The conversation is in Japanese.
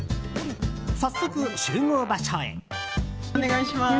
早速、集合場所へ。